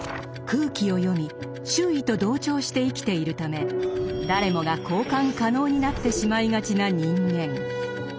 空気を読み周囲と同調して生きているため誰もが交換可能になってしまいがちな人間。